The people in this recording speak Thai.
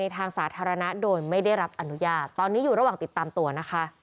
ทางสาธารณะโดยไม่ได้รับอนุญาตตอนนี้อยู่ระหว่างติดตามตัวนะคะ